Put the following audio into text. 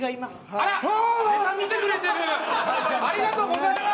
ありがとうございます。